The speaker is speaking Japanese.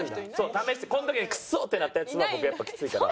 試してこの時に「クソ！」ってなったヤツは僕やっぱきついから。